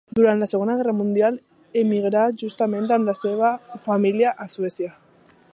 Durant la Segona Guerra Mundial emigrà, juntament amb la seva família, a Suècia.